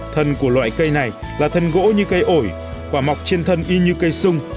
thân của loại cây này là thân gỗ như cây ổi quả mọc trên thân y như cây sung